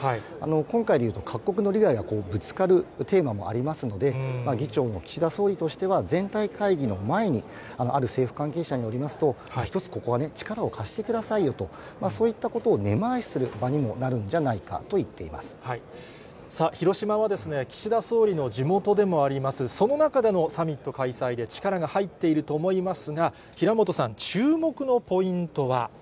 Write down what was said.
今回で言うと、各国のリーダーがぶつかるテーマもありますので、議長の岸田総理としては、全体会議の前に、ある政府関係者によりますと、ひとつここはね、力を貸してくださいよと、そういったことを根回しする場にもなるんじゃないかと言っていま広島は、岸田総理の地元でもあります。その中でのサミット開催で、力が入っていると思いますが、平本さん、注目のポイントは。